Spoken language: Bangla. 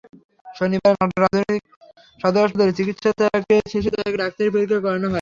শনিবার নাটোর আধুনিক সদর হাসপাতালে চিকিৎসা শেষে তাঁর ডাক্তারি পরীক্ষা করানো হয়।